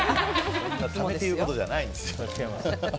そんなためて言うことじゃないんですよ。